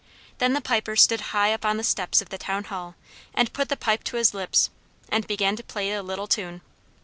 Then the Piper stood high up on the steps of the town hall, and put the pipe to his lips, and began to play a little tune.